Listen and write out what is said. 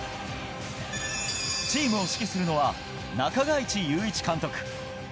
チームを指揮するのは中垣内祐一監督。